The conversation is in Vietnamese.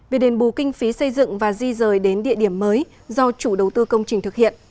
việc đền bù kinh phí xây dựng và di rời đến địa điểm mới do chủ đầu tư công trình thực hiện